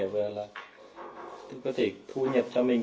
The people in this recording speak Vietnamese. và là có thể thu nhập cho mình